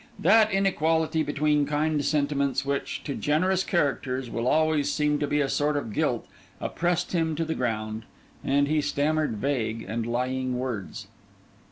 That inequality between kind sentiments which, to generous characters, will always seem to be a sort of guilt, oppressed him to the ground; and he stammered vague and lying words.